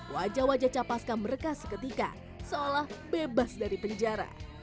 wajah wajah capaska merekas seketika seolah bebas dari penjara